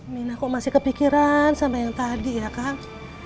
minah kok masih kepikiran sama yang tadi ya akang